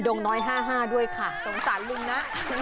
ดวงน้อยห้าห้าด้วยค่ะสงสารลุงนะ